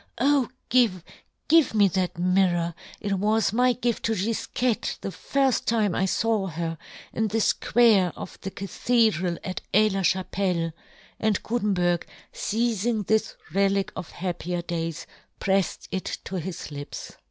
O give, give me that " mirror, it w^as my gift to Gifquette " the firft time I faw^ her, in the " fquare of the cathedral at Aix la " Chapelle," and Gutenberg, feizing this relic of happier days, preiTed it to his lips.